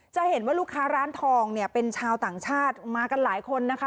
จะเห็นว่าลูกค้าร้านทองเนี่ยเป็นชาวต่างชาติมากันหลายคนนะคะ